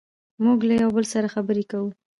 موږ له یو بل سره خبرې کوو.